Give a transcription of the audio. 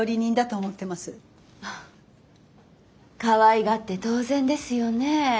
かわいがって当然ですよね。